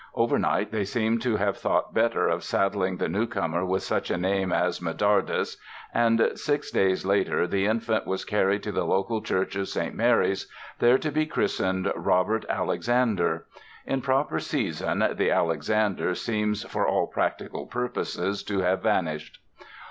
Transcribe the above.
Over night they seem to have thought better of saddling the newcomer with such a name as Medardus and six days later the infant was carried to the local Church of Saint Mary's there to be christened Robert Alexander. In proper season the "Alexander" seems for all practical purposes to have vanished.